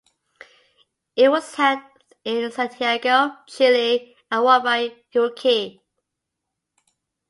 It was held in Santiago, Chile and won by Uruguay.